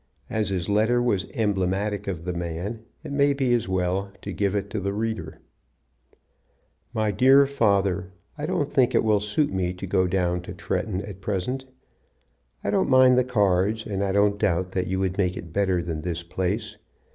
As his letter was emblematic of the man, it may be as well to give it to the reader: "My dear father, I don't think it will suit me to go down to Tretton at present. I don't mind the cards, and I don't doubt that you would make it better than this place.